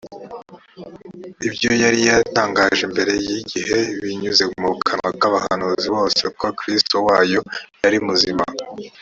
ibyo yari yaratangaje mbere y igihe binyuze mu kanwa k abahanuzi bose ko kristo wayo yari muzima